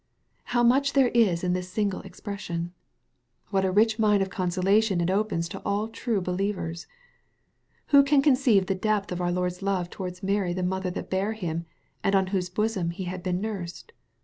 How much there is in this single expression ! What a rich mine of consolation it opens to all true be lievers ! Who can conceive the depth of our Lord's love towards Mary the mother that bare Him, and on whose bosom He had been nursed